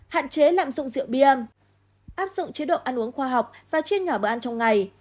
hạn chế lạm dụng rượu bia áp dụng chế độ ăn uống khoa học và chia nhỏ bữa ăn trong ngày